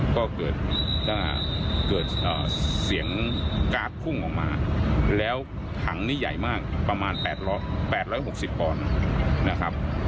ก็เกิดเสียงการ์ดพุ่งออกมาแล้วถังนี้ใหญ่มากประมาณ๘๖๐ปอนด์นะครับ